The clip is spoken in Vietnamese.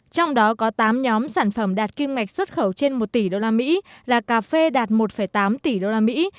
trong đó có tám nhóm sản phẩm đạt kim ngạch xuất khẩu trên một tỷ đô la mỹ là cà phê đạt một tám tỷ đô la mỹ